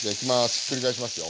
ひっくり返しますよ。